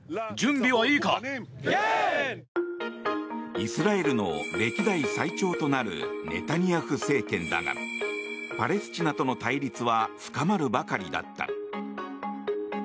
イスラエルの歴代最長となるネタニヤフ政権だがパレスチナとの対立は深まるばかりだった。